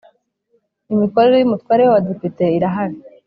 Imikorere y ‘Umutwe w ‘Abadepite irahari.